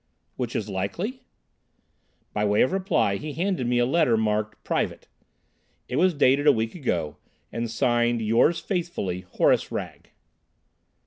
"Which is likely?" By way of reply he handed me a letter marked "Private." It was dated a week ago, and signed "Yours faithfully, Horace Wragge."